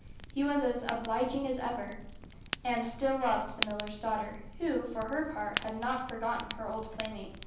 He was as obliging as ever, and still loved the miller's daughter, who, for her part, had not forgotten her old playmate.